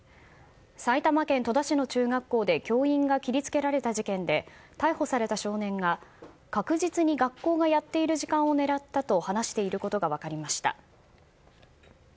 埼玉県戸田市の中学校で教員が切り付けられた事件で逮捕された少年が確実に学校がやっている時間を狙ったと話していることが分かりました。